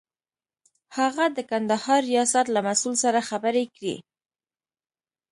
هغه د کندهار ریاست له مسئول سره خبرې کړې.